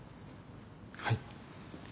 はい。